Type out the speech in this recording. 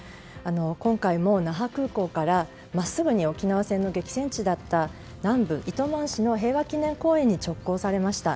今回も那覇空港から真っすぐに沖縄戦の激戦地だった南部、糸満市の平和祈念公園に直行されました。